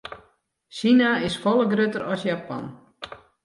Sina is folle grutter as Japan.